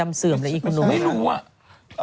แล้วนางก็พูดเนอร์เนอร์